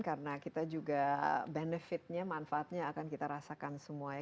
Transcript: karena kita juga benefitnya manfaatnya akan kita rasakan semua ya